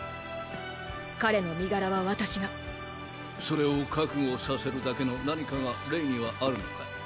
彼の身柄は私がそれを覚悟させるだけの何かがレイにはあるのかい？